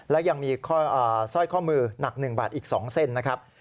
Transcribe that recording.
และยังมีสร้อยข้อมือหนัก๑บาทอีก๒เส้นนะครับ